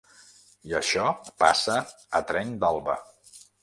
I això passa a trenc d’alba.